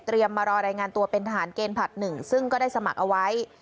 มารอรายงานตัวเป็นทหารเกณฑ์ผลัด๑ซึ่งก็ได้สมัครเอาไว้